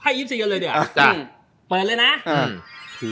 ให้ยิ้มเสียเลยเดี๋ยวอ่าจ้ะเปิดเลยน่ะอืม